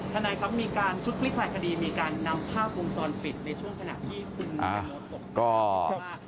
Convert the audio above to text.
คณะครับมีการชุดคลิกหลายคดีมีการนำภาพวงจรปิดในช่วงขณะที่คุณ